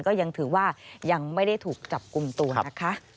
ก็ยังถือว่ายังไม่ได้ถูกจับกลุ่มตัวนะคะ